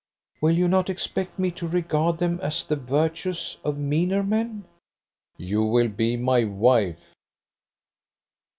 "Will you not expect me to regard them as the virtues of meaner men?" "You will be my wife!"